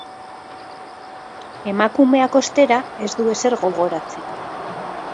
Emakumeak, ostera, ez du ezer gogoratzen.